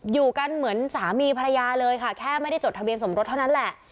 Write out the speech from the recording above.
อยู่กันเหมือนสามีภรรยาเลยค่ะแค่ไม่ได้จดทะเบียนสมรสเท่านั้นแหละ